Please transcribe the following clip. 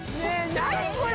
何これ。